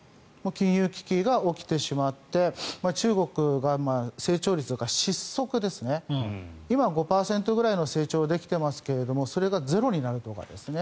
金融危機が起きてしまって中国が成長率が失速ですね、今は５％ぐらいの成長ができてますがそれがゼロになるとかですね。